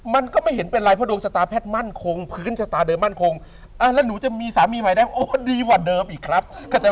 มันก็ไม่เห็นเป็นไรเพราะดวงชะตาแพทย์มั่นคงพื้นชะตาเดิมมั่นคงแล้วหนูจะมีสามีใหม่ได้โอ้ดีกว่าเดิมอีกครับ